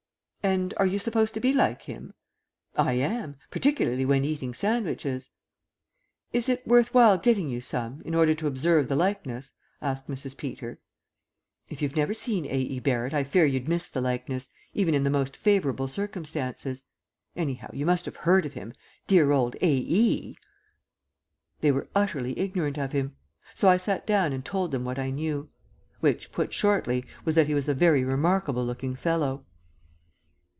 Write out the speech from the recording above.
"And are you supposed to be like him?" "I am. Particularly when eating sandwiches." "Is it worth while getting you some, in order to observe the likeness?" asked Mrs. Peter. "If you've never seen A. E. Barrett I fear you'd miss the likeness, even in the most favourable circumstances. Anyhow, you must have heard of him dear old A. E.!" They were utterly ignorant of him, so I sat down and told them what I knew; which, put shortly, was that he was a very remarkable looking fellow.